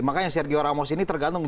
makanya sergio ramos ini tergantung